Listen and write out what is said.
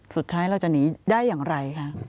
สุดท้ายเราจะหนีได้อย่างไรคะ